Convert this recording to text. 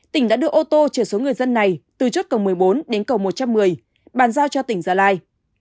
tỉnh đã đưa ô tô chở số người dân này từ chốt cầu một mươi bốn đến cầu một trăm một mươi bàn giao cho tỉnh gia lai